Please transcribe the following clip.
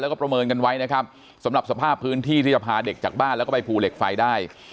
แล้วก็ประเมินกันไว้นะครับสำหรับสภาพพื้นที่ที่จะพาเด็กจากบ้านแล้วก็ไปภูเหล็กไฟได้